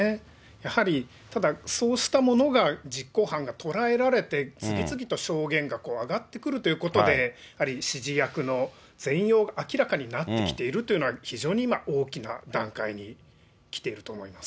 やはり、ただそうしたものが実行犯がとらえられて次々と証言が上がってくるということで、やはり指示役の全容が明らかになってきているというのは、非常に今、大きな段階にきていると思います。